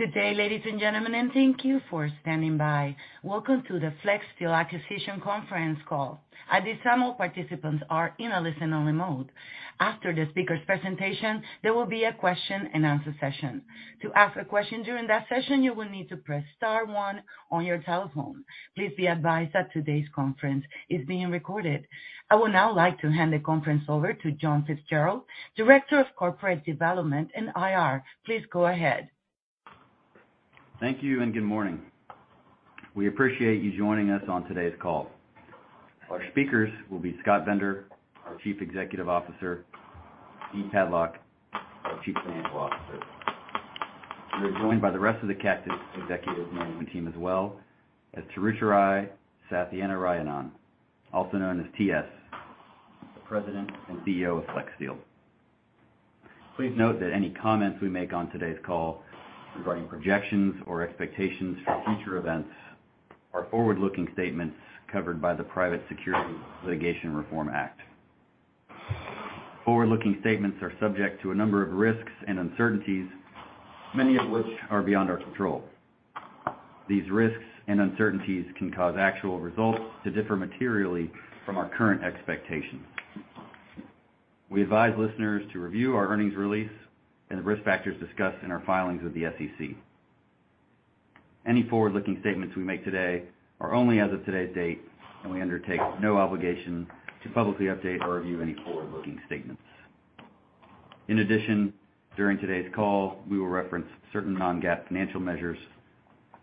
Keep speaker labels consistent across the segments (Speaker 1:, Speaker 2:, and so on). Speaker 1: Good day, ladies and gentlemen. Thank you for standing by. Welcome to the FlexSteel Acquisition conference call. At this time, all participants are in a listen-only mode. After the speakers' presentation, there will be a question-and-answer session. To ask a question during that session, you will need to press star one on your telephone. Please be advised that today's conference is being recorded. I would now like to hand the conference over to John Fitzgerald, Director of Corporate Development and IR. Please go ahead.
Speaker 2: Thank you. Good morning. We appreciate you joining us on today's call. Our speakers will be Scott Bender, our Chief Executive Officer, Steve Tadlock, our Chief Financial Officer. We are joined by the rest of the Cactus executive management team as well as Thirucherai Sathyanarayanan, also known as TS, the President and CEO of FlexSteel. Please note that any comments we make on today's call regarding projections or expectations for future events are forward-looking statements covered by the Private Securities Litigation Reform Act. Forward-looking statements are subject to a number of risks and uncertainties, many of which are beyond our control. These risks and uncertainties can cause actual results to differ materially from our current expectations. We advise listeners to review our earnings release and the risk factors discussed in our filings with the SEC. Any forward-looking statements we make today are only as of today's date, and we undertake no obligation to publicly update or review any forward-looking statements. In addition, during today's call, we will reference certain non-GAAP financial measures.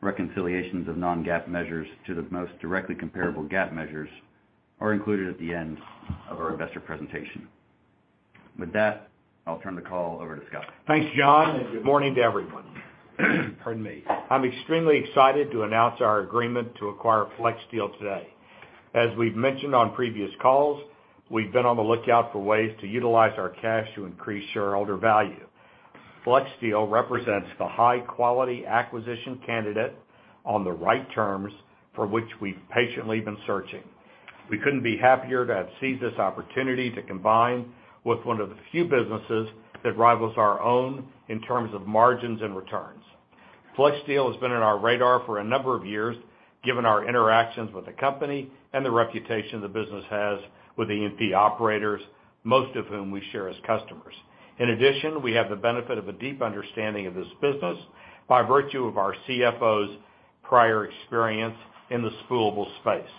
Speaker 2: Reconciliations of non-GAAP measures to the most directly comparable GAAP measures are included at the end of our investor presentation. With that, I'll turn the call over to Scott.
Speaker 3: Thanks, John. Good morning to everyone. Pardon me. I'm extremely excited to announce our agreement to acquire FlexSteel today. As we've mentioned on previous calls, we've been on the lookout for ways to utilize our cash to increase shareholder value. FlexSteel represents the high-quality acquisition candidate on the right terms for which we've patiently been searching. We couldn't be happier to have seized this opportunity to combine with one of the few businesses that rivals our own in terms of margins and returns. FlexSteel has been on our radar for a number of years, given our interactions with the company and the reputation the business has with E&P operators, most of whom we share as customers. In addition, we have the benefit of a deep understanding of this business by virtue of our CFO's prior experience in the spoolable space.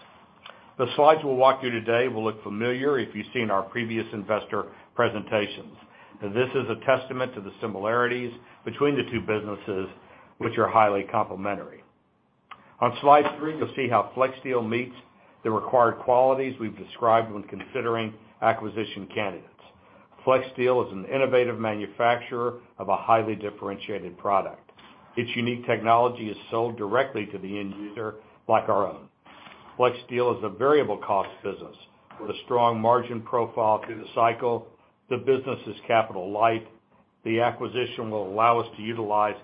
Speaker 3: The slides we'll walk through today will look familiar if you've seen our previous investor presentations. This is a testament to the similarities between the two businesses, which are highly complementary. On slide three, you'll see how FlexSteel meets the required qualities we've described when considering acquisition candidates. FlexSteel is an innovative manufacturer of a highly differentiated product. Its unique technology is sold directly to the end user like our own. FlexSteel is a variable cost business with a strong margin profile through the cycle. The business is capital light. The acquisition will allow us to utilize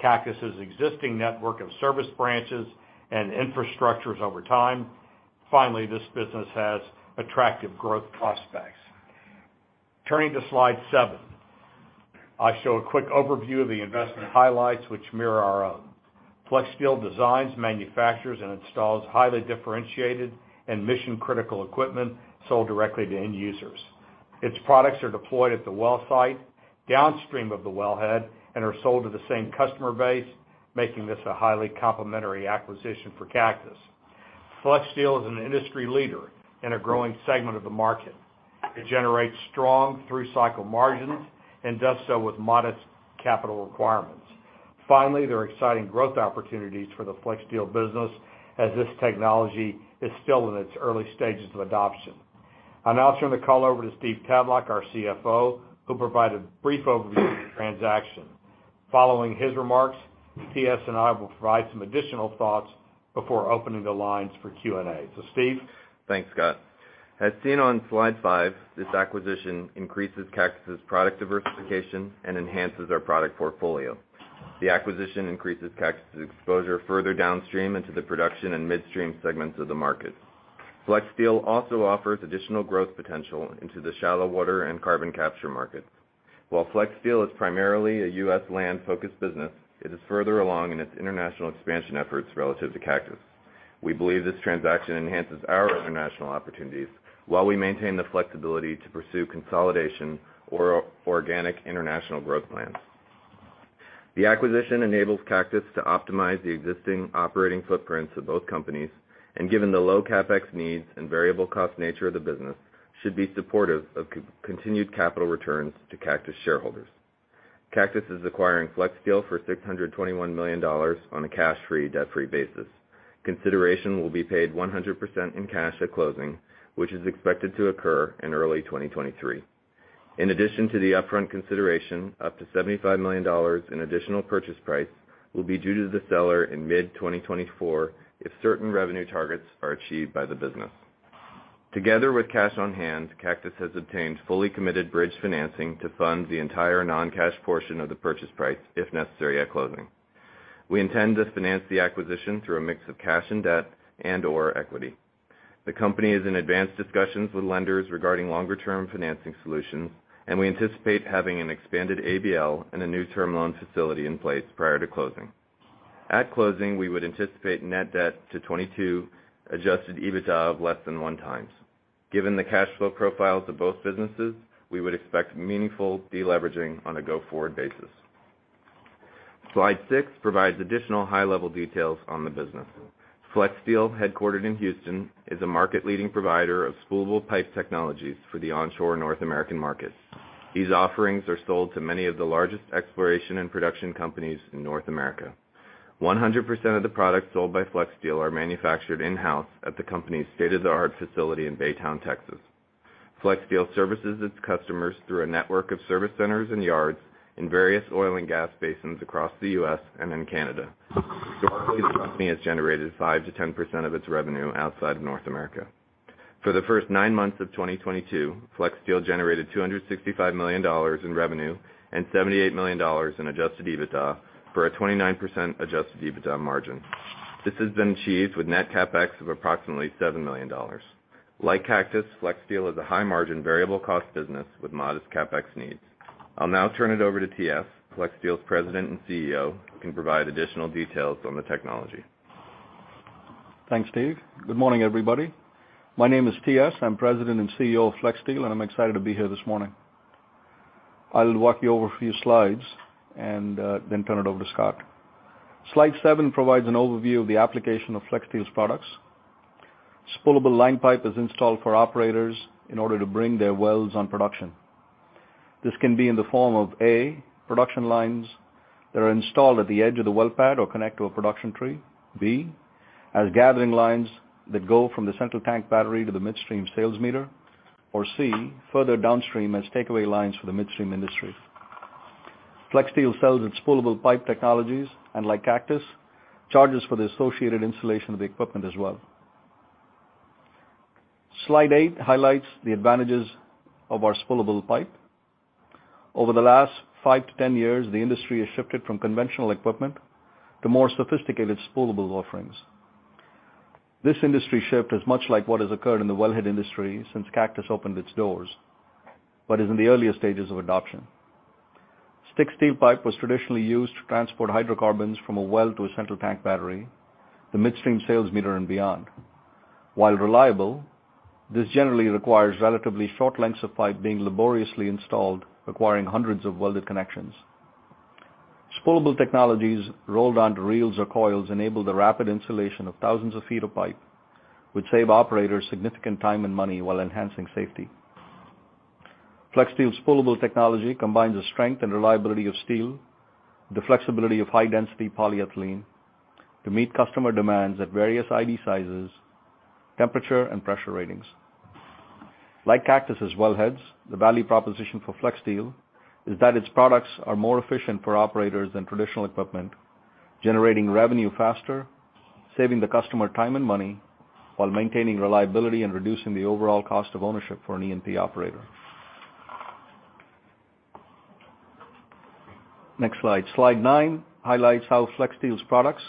Speaker 3: Cactus' existing network of service branches and infrastructures over time. Finally, this business has attractive growth prospects. Turning to slide seven, I show a quick overview of the investment highlights which mirror our own. FlexSteel designs, manufactures, and installs highly differentiated and mission-critical equipment sold directly to end users. Its products are deployed at the well site, downstream of the wellhead, and are sold to the same customer base, making this a highly complementary acquisition for Cactus. FlexSteel is an industry leader in a growing segment of the market. It generates strong through-cycle margins and does so with modest capital requirements. Finally, there are exciting growth opportunities for the FlexSteel business as this technology is still in its early stages of adoption. I'll now turn the call over to Steve Tadlock, our CFO, who'll provide a brief overview of the transaction. Following his remarks, TS and I will provide some additional thoughts before opening the lines for Q&A. Steve.
Speaker 4: Thanks, Scott. As seen on slide five, this acquisition increases Cactus' product diversification and enhances our product portfolio. The acquisition increases Cactus' exposure further downstream into the production and midstream segments of the market. FlexSteel also offers additional growth potential into the shallow water and carbon capture markets. While FlexSteel is primarily a U.S. land-focused business, it is further along in its international expansion efforts relative to Cactus. We believe this transaction enhances our international opportunities while we maintain the flexibility to pursue consolidation or organic international growth plans. The acquisition enables Cactus to optimize the existing operating footprints of both companies, and given the low CapEx needs and variable cost nature of the business, should be supportive of continued capital returns to Cactus shareholders. Cactus is acquiring FlexSteel for $621 million on a cash-free, debt-free basis. Consideration will be paid 100% in cash at closing, which is expected to occur in early 2023. In addition to the upfront consideration, up to $75 million in additional purchase price will be due to the seller in mid-2024 if certain revenue targets are achieved by the business. Together with cash on hand, Cactus has obtained fully committed bridge financing to fund the entire non-cash portion of the purchase price if necessary at closing. We intend to finance the acquisition through a mix of cash and debt and/or equity. The company is in advanced discussions with lenders regarding longer-term financing solutions, and we anticipate having an expanded ABL and a new term loan facility in place prior to closing. At closing, we would anticipate net debt to 2022 Adjusted EBITDA of less than 1x. Given the cash flow profiles of both businesses, we would expect meaningful de-leveraging on a go-forward basis. Slide six provides additional high-level details on the business. FlexSteel, headquartered in Houston, is a market-leading provider of spoolable pipe technologies for the onshore North American markets. These offerings are sold to many of the largest exploration and production companies in North America. 100% of the products sold by FlexSteel are manufactured in-house at the company's state-of-the-art facility in Baytown, Texas. FlexSteel services its customers through a network of service centers and yards in various oil and gas basins across the U.S. and in Canada. Historically, the company has generated 5%-10% of its revenue outside of North America. For the first nine months of 2022, FlexSteel generated $265 million in revenue and $78 million in Adjusted EBITDA for a 29% Adjusted EBITDA margin. This has been achieved with net CapEx of approximately $7 million. Like Cactus, FlexSteel is a high-margin variable cost business with modest CapEx needs. I'll now turn it over to TS, FlexSteel's President and CEO, who can provide additional details on the technology.
Speaker 5: Thanks, Steve. Good morning, everybody. My name is TS, I'm President and CEO of FlexSteel, and I'm excited to be here this morning. I'll walk you over a few slides and then turn it over to Scott. Slide seven provides an overview of the application of FlexSteel's products. Spoolable line pipe is installed for operators in order to bring their wells on production. This can be in the form of, A, production lines that are installed at the edge of the well pad or connect to a production tree. B, as gathering lines that go from the central tank battery to the midstream sales meter. C, further downstream as takeaway lines for the midstream industry. FlexSteel sells its spoolable pipe technologies, and like Cactus, charges for the associated installation of the equipment as well. Slide eight highlights the advantages of our spoolable pipe. Over the last five to 10 years, the industry has shifted from conventional equipment to more sophisticated spoolable offerings. This industry shift is much like what has occurred in the wellhead industry since Cactus opened its doors, but is in the earlier stages of adoption. Stick steel pipe was traditionally used to transport hydrocarbons from a well to a central tank battery, the midstream sales meter and beyond. While reliable, this generally requires relatively short lengths of pipe being laboriously installed, requiring hundreds of welded connections. Spoolable technologies rolled onto reels or coils enable the rapid insulation of thousands of feet of pipe, which save operators significant time and money while enhancing safety. FlexSteel's spoolable technology combines the strength and reliability of steel, the flexibility of high-density polyethylene to meet customer demands at various ID sizes, temperature and pressure ratings. Like Cactus' well heads, the value proposition for Flexsteel is that its products are more efficient for operators than traditional equipment, generating revenue faster, saving the customer time and money while maintaining reliability and reducing the overall cost of ownership for an E&P operator. Next slide. Slide nine highlights how Flexsteel's products,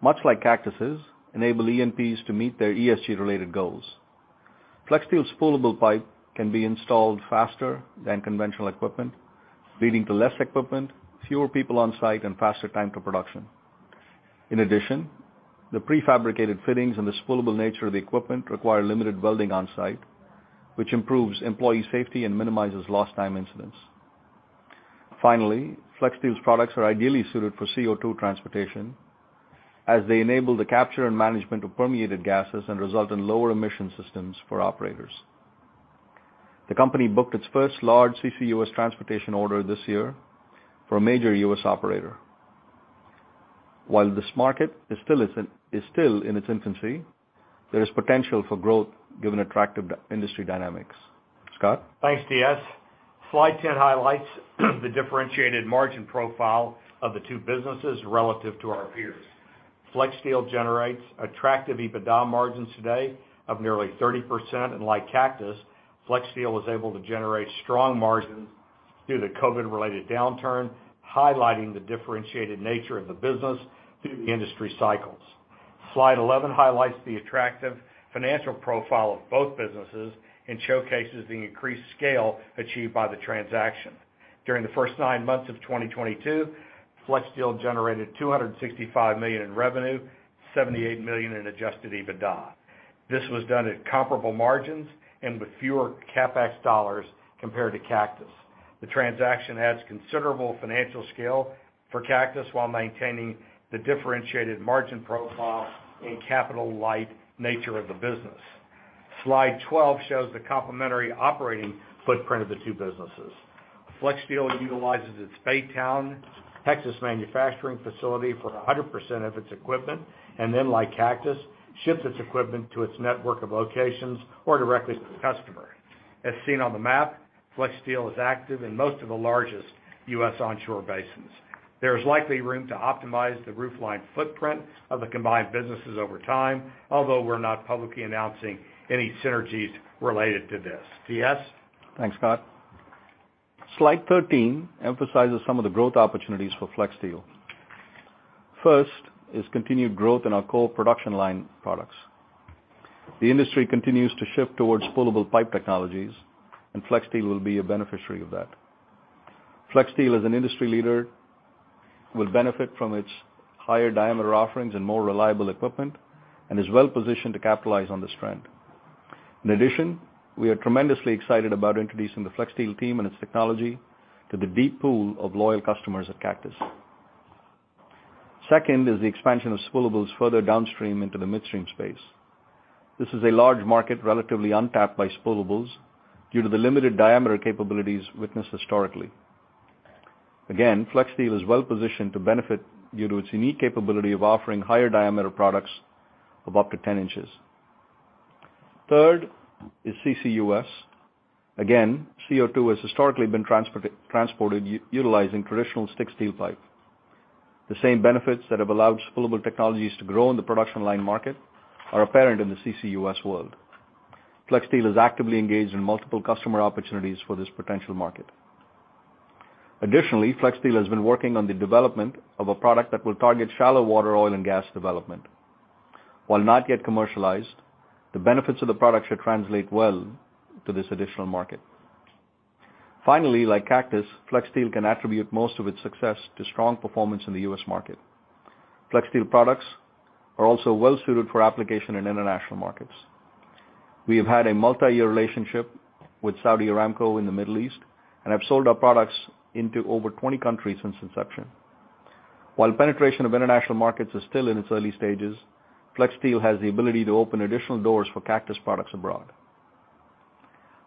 Speaker 5: much like Cactus's, enable E&Ps to meet their ESG-related goals. Flexsteel's spoolable pipe can be installed faster than conventional equipment, leading to less equipment, fewer people on-site, and faster time to production. The prefabricated fittings and the spoolable nature of the equipment require limited welding on-site, which improves employee safety and minimizes lost time incidents. Flexsteel's products are ideally suited for CO2 transportation as they enable the capture and management of permeated gases and result in lower emission systems for operators. The company booked its first large CCUS transportation order this year for a major U.S. operator. While this market is still in its infancy, there is potential for growth given attractive industry dynamics. Scott?
Speaker 3: Thanks, TS. Slide 10 highlights the differentiated margin profile of the two businesses relative to our peers. FlexSteel generates attractive EBITDA margins today of nearly 30%. Like Cactus, FlexSteel was able to generate strong margins through the COVID-related downturn, highlighting the differentiated nature of the business through the industry cycles. Slide 11 highlights the attractive financial profile of both businesses and showcases the increased scale achieved by the transaction. During the first nine months of 2022, FlexSteel generated $265 million in revenue, $78 million in Adjusted EBITDA. This was done at comparable margins and with fewer CapEx dollars compared to Cactus. The transaction adds considerable financial scale for Cactus while maintaining the differentiated margin profile and capital-light nature of the business. Slide 12 shows the complementary operating footprint of the two businesses. FlexSteel utilizes its Baytown, Texas manufacturing facility for 100% of its equipment, and then, like Cactus, ships its equipment to its network of locations or directly to the customer. As seen on the map, FlexSteel is active in most of the largest U.S. onshore basins. There is likely room to optimize the roofline footprint of the combined businesses over time, although we're not publicly announcing any synergies related to this. TS?
Speaker 5: Thanks, Scott. Slide 13 emphasizes some of the growth opportunities for FlexSteel. First is continued growth in our core production line products. The industry continues to shift towards spoolable pipe technologies. FlexSteel will be a beneficiary of that. FlexSteel as an industry leader will benefit from its higher diameter offerings and more reliable equipment and is well-positioned to capitalize on this trend. In addition, we are tremendously excited about introducing the FlexSteel team and its technology to the deep pool of loyal customers at Cactus. Second is the expansion of spoolables further downstream into the midstream space. This is a large market, relatively untapped by spoolables due to the limited diameter capabilities witnessed historically. FlexSteel is well-positioned to benefit due to its unique capability of offering higher diameter products of up to 10 in. Third is CCUS. CO2 has historically been transported utilizing traditional stick steel pipe. The same benefits that have allowed spoolable technologies to grow in the production line market are apparent in the CCUS world. Flexsteel is actively engaged in multiple customer opportunities for this potential market. Flexsteel has been working on the development of a product that will target shallow water, oil, and gas development. Not yet commercialized, the benefits of the product should translate well to this additional market. Like Cactus, Flexsteel can attribute most of its success to strong performance in the U.S. market. Flexsteel products are also well suited for application in international markets. We have had a multi-year relationship with Saudi Aramco in the Middle East and have sold our products into over 20 countries since inception. Penetration of international markets is still in its early stages, Flexsteel has the ability to open additional doors for Cactus products abroad.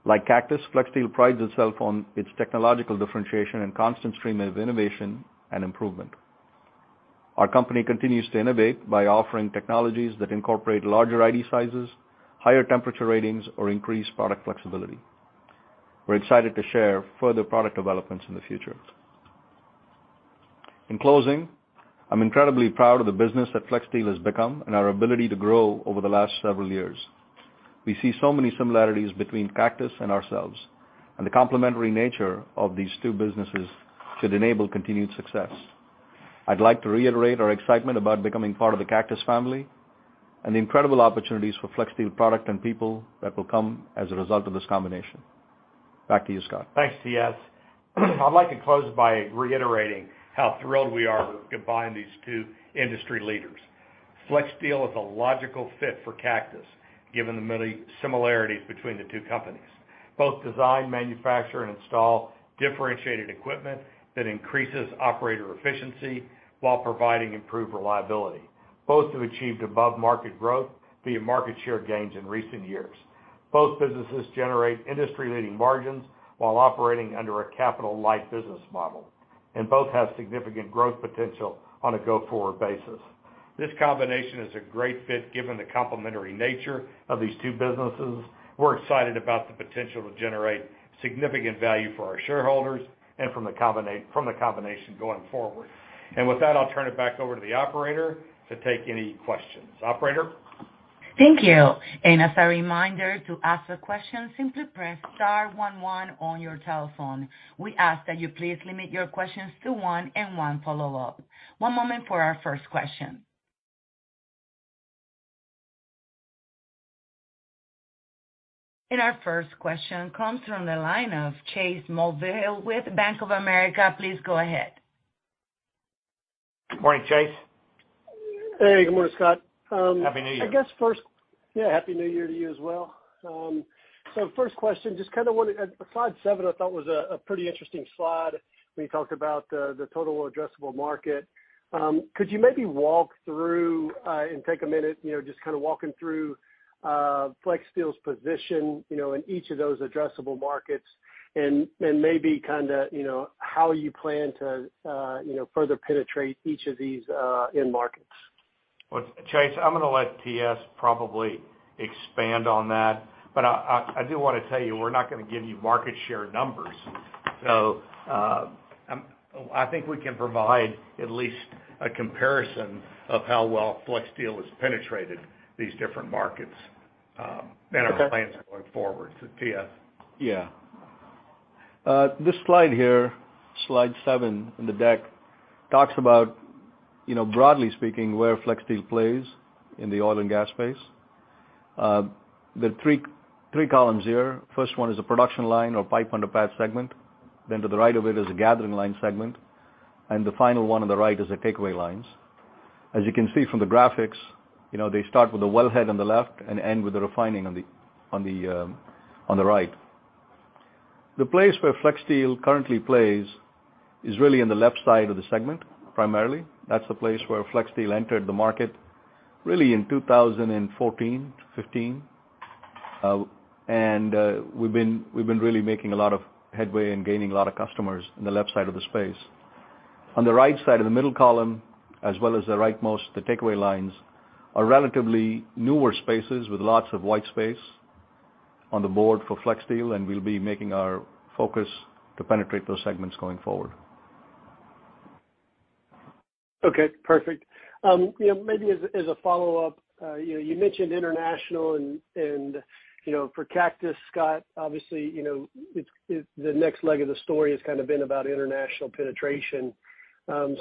Speaker 5: Like Cactus, FlexSteel prides itself on its technological differentiation and constant stream of innovation and improvement. Our company continues to innovate by offering technologies that incorporate larger ID sizes, higher temperature ratings, or increased product flexibility. We're excited to share further product developments in the future. In closing, I'm incredibly proud of the business that FlexSteel has become and our ability to grow over the last several years. We see so many similarities between Cactus and ourselves, and the complementary nature of these two businesses should enable continued success. I'd like to reiterate our excitement about becoming part of the Cactus family and the incredible opportunities for FlexSteel product and people that will come as a result of this combination. Back to you, Scott.
Speaker 3: Thanks, TS. I'd like to close by reiterating how thrilled we are to combine these two industry leaders. FlexSteel is a logical fit for Cactus, given the many similarities between the two companies. Both design, manufacture, and install differentiated equipment that increases operator efficiency while providing improved reliability. Both have achieved above-market growth via market share gains in recent years. Both businesses generate industry-leading margins while operating under a capital-light business model. Both have significant growth potential on a go-forward basis. This combination is a great fit given the complementary nature of these two businesses. We're excited about the potential to generate significant value for our shareholders and from the combination going forward. With that, I'll turn it back over to the operator to take any questions. Operator?
Speaker 1: Thank you. As a reminder, to ask a question, simply press star one one on your telephone. We ask that you please limit your questions to one and one follow-up. One moment for our first question. Our first question comes from the line of Chase Mulvehill with Bank of America. Please go ahead.
Speaker 3: Morning, Chase.
Speaker 6: Hey, good morning, Scott.
Speaker 3: Happy New Year.
Speaker 6: I guess first. Yeah, Happy New Year to you as well. First question, just kinda wonder, slide seven I thought was a pretty interesting slide when you talked about the total addressable market. Could you maybe walk through and take a minute, you know, just kinda walking through FlexSteel's position, you know, in each of those addressable markets and maybe kinda, you know, how you plan to, you know, further penetrate each of these end markets.
Speaker 3: Well, Chase, I'm gonna let TS probably expand on that, but I do wanna tell you, we're not gonna give you market share numbers. I think we can provide at least a comparison of how well FlexSteel has penetrated these different markets, and our
Speaker 6: Okay.
Speaker 3: -plans going forward. TS.
Speaker 5: This slide here, slide seven in the deck, talks about, you know, broadly speaking, where FlexSteel plays in the oil and gas space. There are three columns here. First one is a production line or pipe on the pad segment. To the right of it is a gathering line segment, and the final one on the right is the takeaway lines. As you can see from the graphics, you know, they start with the wellhead on the left and end with the refining on the, on the right. The place where FlexSteel currently plays is really in the left side of the segment, primarily. That's the place where FlexSteel entered the market, really in 2014-2015. We've been really making a lot of headway and gaining a lot of customers in the left side of the space. On the right side of the middle column, as well as the rightmost, the takeaway lines, are relatively newer spaces with lots of white space on the board for Flexsteel, and we'll be making our focus to penetrate those segments going forward.
Speaker 6: Okay, perfect. You know, maybe as a follow-up, you know, you mentioned international and, you know, for Cactus, Scott, obviously, you know, it's the next leg of the story has kind of been about international penetration.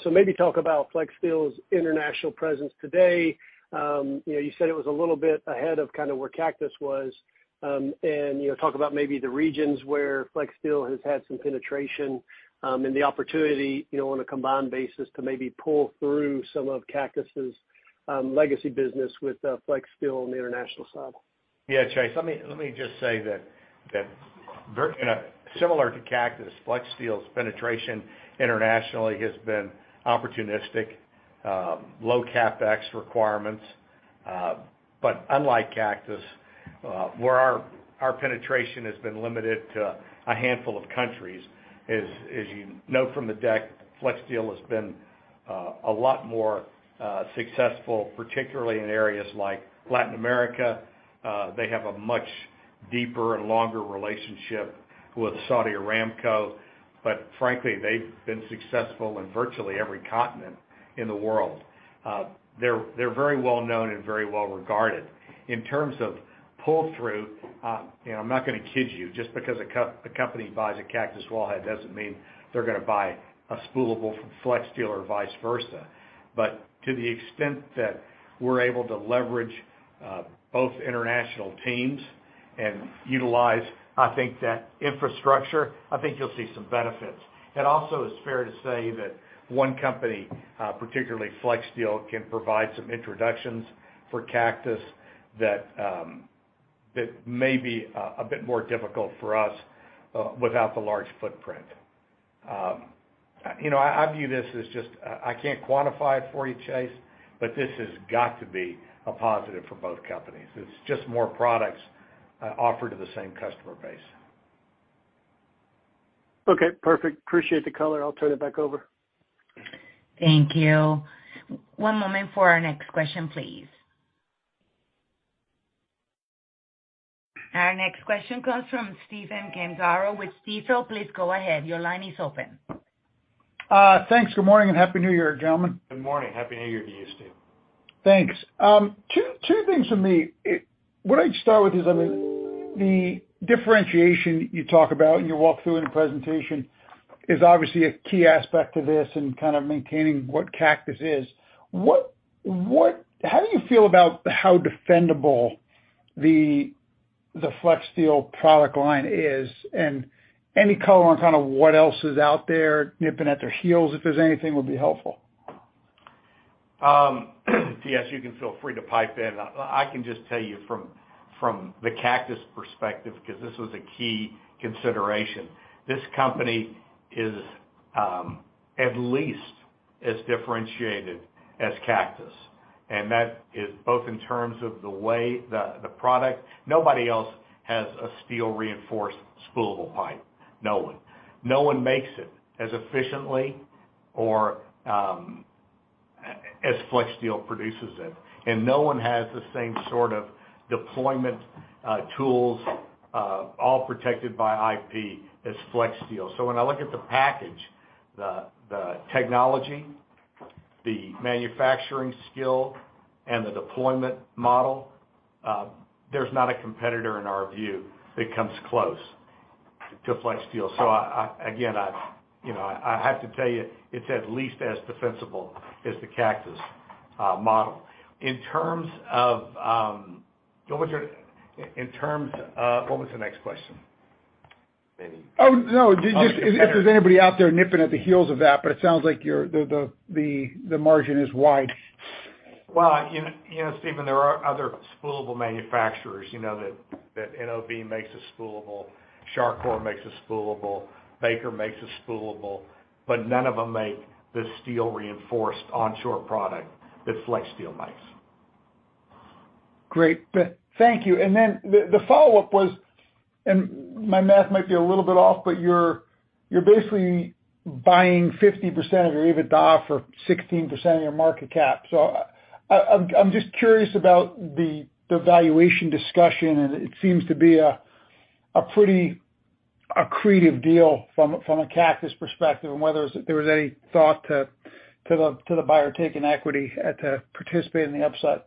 Speaker 6: Maybe talk about FlexSteel's international presence today. You know, you said it was a little bit ahead of kind of where Cactus was. You know, talk about maybe the regions where FlexSteel has had some penetration, and the opportunity, you know, on a combined basis to maybe pull through some of Cactus', legacy business with, FlexSteel on the international side.
Speaker 3: Yeah, Chase, let me just say that, you know, similar to Cactus, FlexSteel's penetration internationally has been opportunistic, low CapEx requirements. Unlike Cactus, where our penetration has been limited to a handful of countries, as you note from the deck, FlexSteel has been a lot more successful, particularly in areas like Latin America. They have a much deeper and longer relationship with Saudi Aramco. Frankly, they've been successful in virtually every continent in the world. They're very well known and very well regarded. In terms of pull through, you know, I'm not gonna kid you, just because a company buys a Cactus wellhead doesn't mean they're gonna buy a spoolable from FlexSteel or vice versa. To the extent that we're able to leverage, both international teams and utilize, I think that infrastructure, I think you'll see some benefits. It also is fair to say that one company, particularly FlexSteel, can provide some introductions for Cactus that may be a bit more difficult for us without the large footprint. You know, I view this as just, I can't quantify it for you, Chase, but this has got to be a positive for both companies. It's just more products, offered to the same customer base.
Speaker 6: Okay, perfect. Appreciate the color. I'll turn it back over.
Speaker 1: Thank you. One moment for our next question, please. Our next question comes from Stephen Gengaro with Stifel. Please go ahead. Your line is open.
Speaker 7: Thanks. Good morning and Happy New Year, gentlemen.
Speaker 3: Good morning. Happy New Year to you, Stephen.
Speaker 7: Thanks. two things from me. What I'd start with is, I mean, the differentiation you talk about in your walkthrough in the presentation is obviously a key aspect to this and kind of maintaining what Cactus is. What how do you feel about how defendable the FlexSteel product line is? Any color on kind of what else is out there nipping at their heels, if there's anything, would be helpful?
Speaker 3: TS, you can feel free to pipe in. I can just tell you from the Cactus perspective, 'cause this was a key consideration. This company is at least as differentiated as Cactus, and that is both in terms of the way the product. Nobody else has a steel reinforced spoolable pipe. No one. No one makes it as efficiently or as Flexsteel produces it, and no one has the same sort of deployment tools, all protected by IP as Flexsteel. When I look at the package, the technology, the manufacturing skill, and the deployment model, there's not a competitor, in our view, that comes close to Flexsteel. I again, you know, I have to tell you, it's at least as defensible as the Cactus model. In terms of. what was the next question?
Speaker 7: Oh, no. Just if there's anybody out there nipping at the heels of that, but it sounds like your, the, the margin is wide.
Speaker 3: Well, you know, you know, Stephen, there are other spoolable manufacturers, you know, that NOV makes a spoolable, Shawcor makes a spoolable, Baker makes a spoolable, but none of them make the steel reinforced onshore product that FlexSteel makes.
Speaker 7: Great. Thank you. The follow-up was, and my math might be a little bit off, but you're basically buying 50% of your EBITDA for 16% of your market cap. I'm just curious about the valuation discussion, and it seems to be a pretty accretive deal from a Cactus perspective and whether there was any thought to the buyer taking equity participate in the upside.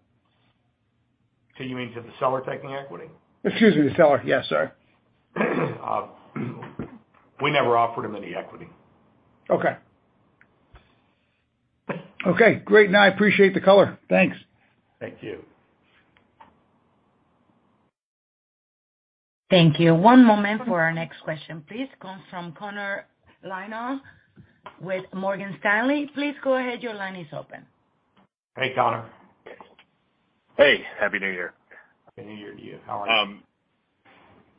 Speaker 3: You mean to the seller taking equity?
Speaker 7: Excuse me, the seller. Yes, sir.
Speaker 3: We never offered him any equity.
Speaker 7: Okay. Okay, great. I appreciate the color. Thanks.
Speaker 3: Thank you.
Speaker 1: Thank you. One moment for our next question. Please come from Connor Lynagh with Morgan Stanley. Please go ahead. Your line is open.
Speaker 3: Hey, Connor.
Speaker 8: Hey, Happy New Year.
Speaker 3: Happy New Year to you. How are you?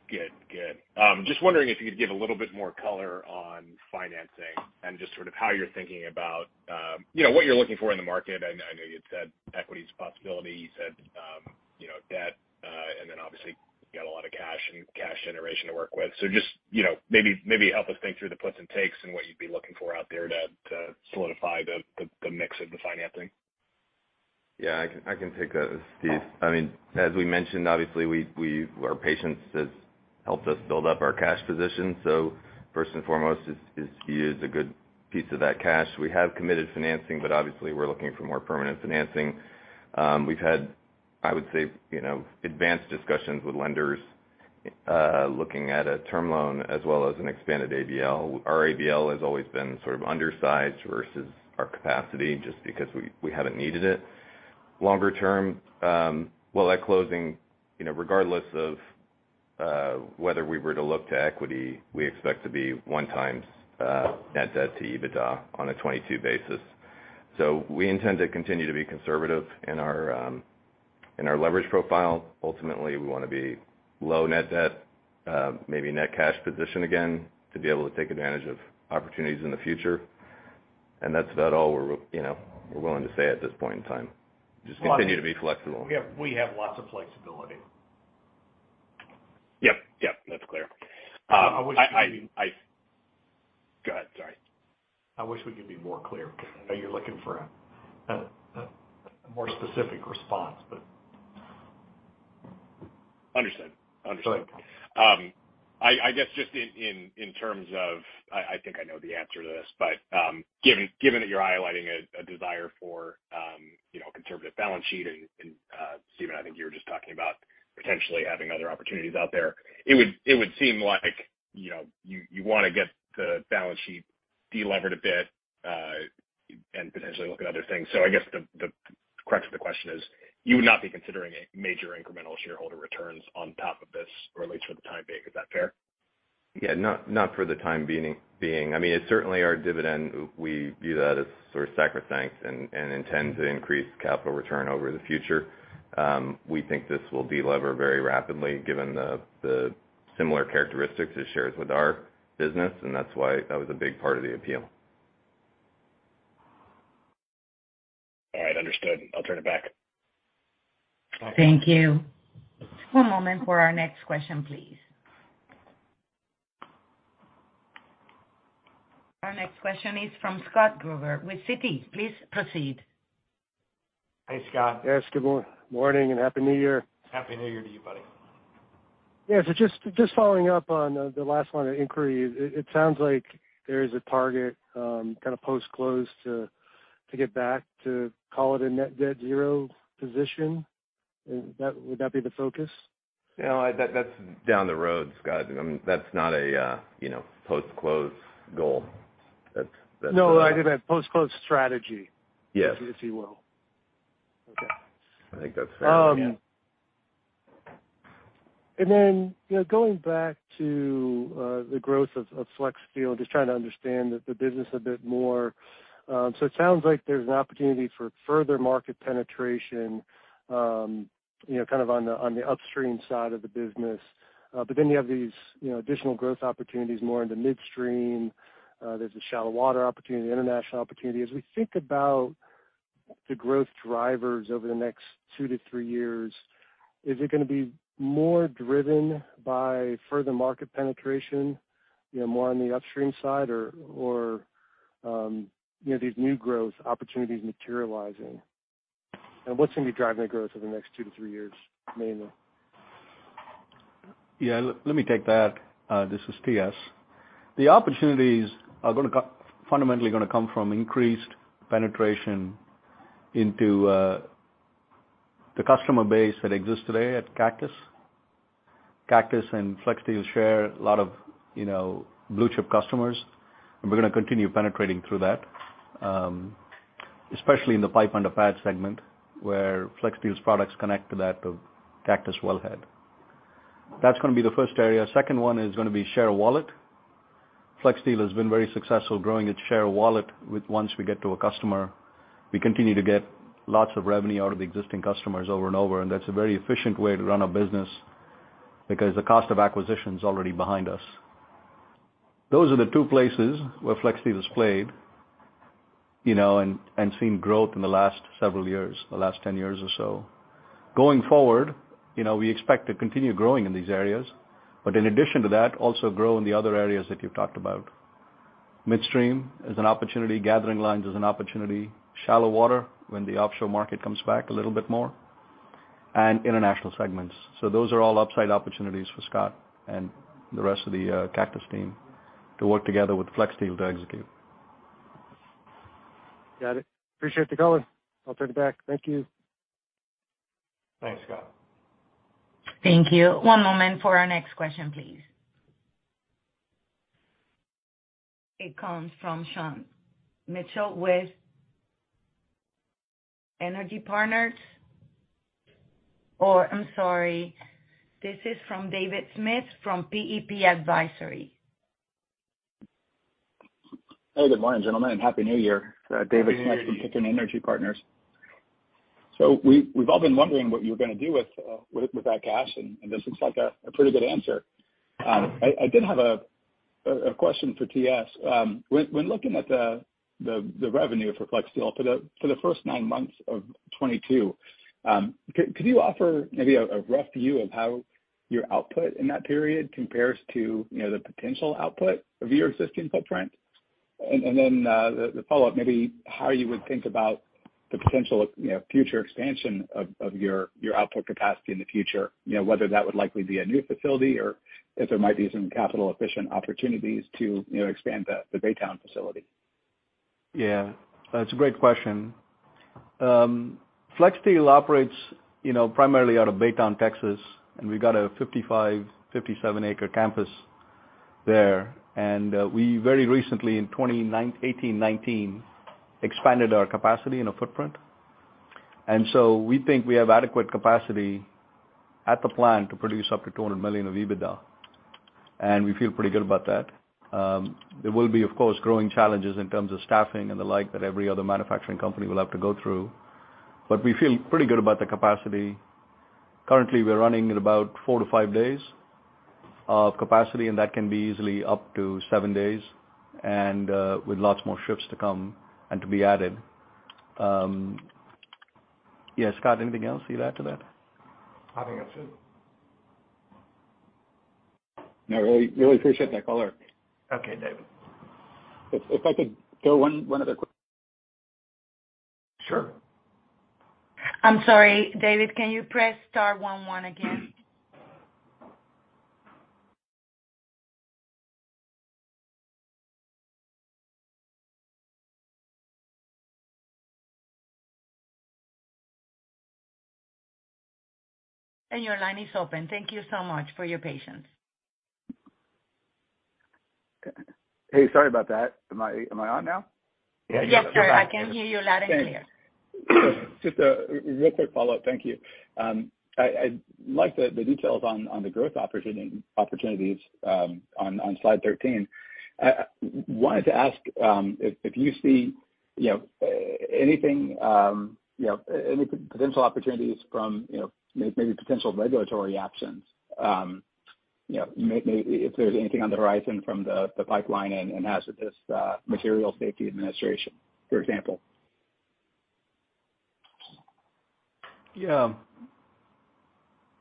Speaker 8: Good. Good. Just wondering if you could give a little bit more color on financing and just sort of how you're thinking about, you know, what you're looking for in the market. I know you'd said equity is a possibility. You said, you know, debt, and then obviously you got a lot of cash and cash generation to work with. Just, you know, maybe help us think through the puts and takes and what you'd be looking for out there to solidify the mix of the financing.
Speaker 4: I can take that, Steve. I mean, as we mentioned, obviously we our patience has helped us build up our cash position. First and foremost is to use a good piece of that cash. We have committed financing, obviously we're looking for more permanent financing. We've had, I would say, you know, advanced discussions with lenders, looking at a term loan as well as an expanded ABL. Our ABL has always been sort of undersized versus our capacity, just because we haven't needed it. Longer term, well, at closing, you know, regardless of whether we were to look to equity, we expect to be 1x net debt to EBITDA on a 2022 basis. We intend to continue to be conservative in our in our leverage profile. Ultimately, we wanna be low net debt, maybe net cash position again, to be able to take advantage of opportunities in the future. That's about all we're, you know, we're willing to say at this point in time. Just continue to be flexible.
Speaker 5: We have lots of flexibility.
Speaker 8: Yep. Yep, that's clear.
Speaker 5: I wish we could.
Speaker 8: Go ahead, sorry.
Speaker 5: I wish we could be more clear because I know you're looking for a more specific response, but.
Speaker 8: Understood. Understood.
Speaker 5: Sorry.
Speaker 8: I think I know the answer to this, but, given that you're highlighting a desire for, you know, conservative balance sheet and, Stephen, I think you were just talking about potentially having other opportunities out there. It would seem like, you know, you wanna get the balance sheet de-levered a bit and potentially look at other things. I guess the crux of the question is, you would not be considering a major incremental shareholder returns on top of this or at least for the time being. Is that fair?
Speaker 4: Yeah. Not for the time being. I mean, certainly our dividend, we view that as sort of sacrosanct and intend to increase capital return over the future. We think this will de-lever very rapidly given the similar characteristics it shares with our business, and that's why that was a big part of the appeal.
Speaker 8: All right. Understood. I'll turn it back.
Speaker 1: Thank you. One moment for our next question, please. Our next question is from Scott Gruber with Citi. Please proceed.
Speaker 4: Hey, Scott.
Speaker 9: Yes, good morning and Happy New Year.
Speaker 4: Happy New Year to you, buddy.
Speaker 9: Yeah. Just following up on the last line of inquiry. It sounds like there is a target, kind of post-close to get back to call it a net debt zero position. Would that be the focus?
Speaker 4: You know, that's down the road, Scott. I mean, that's not a, you know, post-close goal. That's.
Speaker 9: No, I did a post-close strategy.
Speaker 4: Yes.
Speaker 9: If you will. Okay.
Speaker 4: I think that's fair.
Speaker 9: Then, you know, going back to the growth of FlexSteel, just trying to understand the business a bit more. It sounds like there's an opportunity for further market penetration, you know, kind of on the upstream side of the business. You have these, you know, additional growth opportunities more in the midstream. There's a shallow water opportunity, international opportunity. As we think about the growth drivers over the next two to three years, is it gonna be more driven by further market penetration, you know, more on the upstream side or, you know, these new growth opportunities materializing? What's gonna be driving the growth over the next two to three years mainly?
Speaker 5: Yeah. Let me take that. This is TS. The opportunities are fundamentally gonna come from increased penetration into the customer base that exists today at Cactus. Cactus and Flexsteel share a lot of, you know, blue chip customers. We're gonna continue penetrating through that, especially in the pipe on the pad segment where Flexsteel's products connect to that of Cactus wellhead. That's gonna be the first area. Second one is gonna be share of wallet. Flexsteel has been very successful growing its share of wallet with once we get to a customer, we continue to get lots of revenue out of the existing customers over and over. That's a very efficient way to run a business because the cost of acquisition is already behind us. Those are the two places where Flexsteel has played, you know, and seen growth in the last several years, the last 10 years or so. Going forward, you know, we expect to continue growing in these areas, but in addition to that, also grow in the other areas that you've talked about. Midstream is an opportunity, gathering lines is an opportunity, shallow water when the offshore market comes back a little bit more, and international segments. Those are all upside opportunities for Scott and the rest of the Cactus team to work together with Flexsteel to execute.
Speaker 9: Got it. Appreciate the color. I'll turn it back. Thank you.
Speaker 4: Thanks, Scott.
Speaker 1: Thank you. One moment for our next question, please. It comes from Sean Mitchell with Energy Partners. I'm sorry, this is from David Smith from PEP Advisory.
Speaker 10: Hey, good morning, gentlemen, and Happy New Year. David Smith from Pickering Energy Partners. We've all been wondering what you were gonna do with that cash, and this looks like a pretty good answer. I did have a question for TS. When looking at the revenue for FlexSteel for the first nine months of 2022, could you offer maybe a rough view of how your output in that period compares to, you know, the potential output of your existing footprint? Then the follow-up, maybe how you would think about the potential, you know, future expansion of your output capacity in the future, you know, whether that would likely be a new facility or if there might be some capital efficient opportunities to, you know, expand the Baytown facility.
Speaker 5: Yeah. That's a great question. FlexSteel operates, you know, primarily out of Baytown, Texas. We've got a 55 ac, 57 ac campus there. We very recently in 2018, 2019 expanded our capacity in a footprint. We think we have adequate capacity at the plant to produce up to $200 million of EBITDA, and we feel pretty good about that. There will be of course, growing challenges in terms of staffing and the like that every other manufacturing company will have to go through. We feel pretty good about the capacity. Currently, we're running at about four to five days of capacity, and that can be easily up to seven days and with lots more shifts to come and to be added. Yeah. Scott, anything else to add to that?
Speaker 3: I think that's it.
Speaker 10: No, really, really appreciate that color.
Speaker 3: Okay, David.
Speaker 10: If I could go one other.
Speaker 3: Sure.
Speaker 1: I'm sorry, David, can you press star one one again? Your line is open. Thank you so much for your patience.
Speaker 10: Hey, sorry about that. Am I on now?
Speaker 1: Yes, sir. I can hear you loud and clear.
Speaker 10: Just a real quick follow-up. Thank you. I like the details on the growth opportunities on slide 13. wanted to ask if you see, you know, anything, you know, any potential opportunities from, you know, maybe potential regulatory actions, you know, if there's anything on the horizon from the Pipeline and Hazardous Materials Safety Administration, for example.
Speaker 5: Yeah.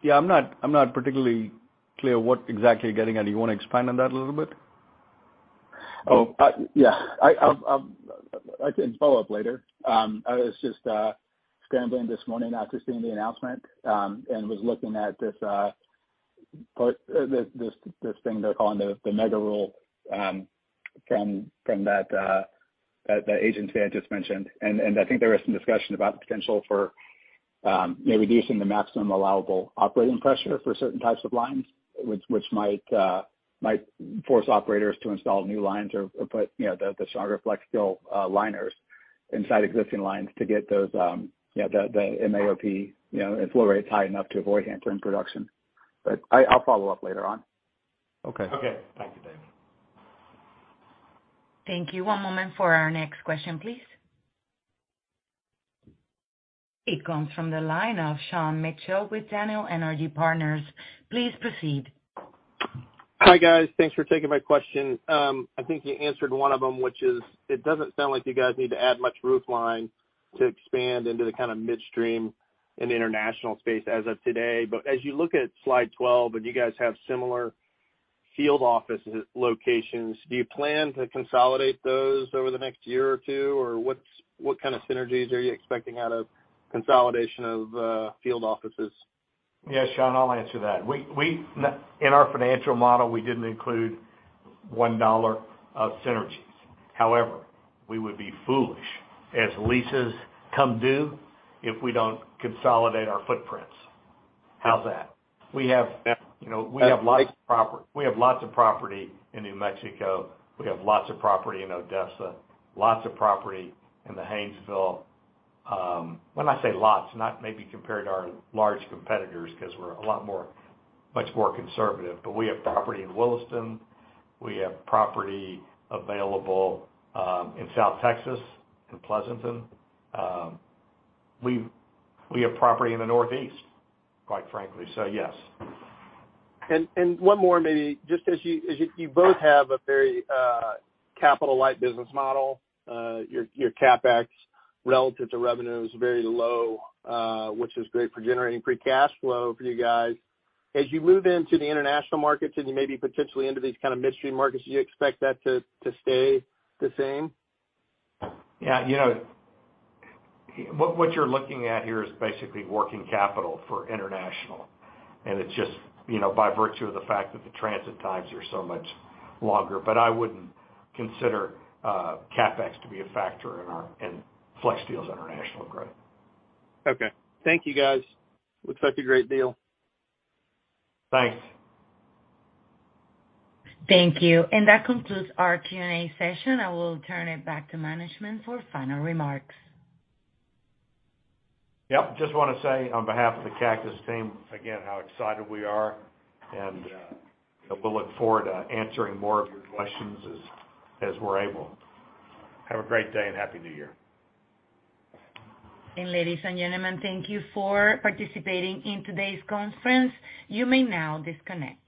Speaker 5: Yeah, I'm not, I'm not particularly clear what exactly you're getting at. You wanna expand on that a little bit?
Speaker 10: Yeah. I can follow up later. I was just scrambling this morning after seeing the announcement and was looking at this thing they're calling the Mega Rule from that agency I just mentioned. I think there is some discussion about the potential for maybe reducing the maximum allowable operating pressure for certain types of lines, which might force operators to install new lines or put, you know, the stronger FlexSteel liners inside existing lines to get those, you know, the MAOP, you know, and flow rates high enough to avoid hampering production. I'll follow up later on.
Speaker 5: Okay.
Speaker 3: Okay. Thank you, David.
Speaker 1: Thank you. One moment for our next question, please. It comes from the line of Sean Mitchell with Daniel Energy Partners. Please proceed.
Speaker 11: Hi, guys. Thanks for taking my question. I think you answered one of them, which is, it doesn't sound like you guys need to add much roof line to expand into the kind of midstream and international space as of today. As you look at slide 12, and you guys have similar field office locations, do you plan to consolidate those over the next year or two, or what kind of synergies are you expecting out of consolidation of field offices?
Speaker 3: Yeah, Sean, I'll answer that. We, in our financial model, we didn't include one dollar of synergies. We would be foolish as leases come due, if we don't consolidate our footprints. How's that? We have, you know, lots of property. We have lots of property in New Mexico. We have lots of property in Odessa, lots of property in the Haynesville. When I say lots, not maybe compared to our large competitors 'cause we're much more conservative. We have property in Williston, we have property available in South Texas, in Pleasanton. We have property in the Northeast, quite frankly. Yes.
Speaker 11: One more maybe just as you both have a very capital light business model. Your CapEx relative to revenue is very low, which is great for generating free cash flow for you guys. As you move into the international markets and you may be potentially into these kind of midstream markets, do you expect that to stay the same?
Speaker 3: Yeah, you know, what you're looking at here is basically working capital for international, and it's just, you know, by virtue of the fact that the transit times are so much longer. I wouldn't consider CapEx to be a factor in Flexsteel's international growth.
Speaker 11: Okay. Thank you, guys. Looks like a great deal.
Speaker 3: Thanks.
Speaker 1: Thank you. That concludes our Q&A session. I will turn it back to management for final remarks.
Speaker 3: Yep. Just wanna say on behalf of the Cactus team again, how excited we are and we'll look forward to answering more of your questions as we're able. Have a great day and happy New Year.
Speaker 1: Ladies and gentlemen, thank you for participating in today's conference. You may now disconnect.